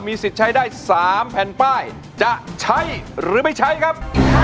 สิทธิ์ใช้ได้๓แผ่นป้ายจะใช้หรือไม่ใช้ครับ